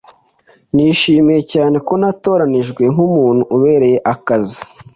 Nishimiye cyane ko natoranijwe nkumuntu ubereye akazi.